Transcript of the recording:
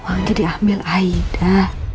uangnya di ambil aida